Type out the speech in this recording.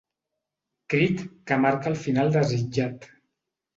Crit que marca el final desitjat.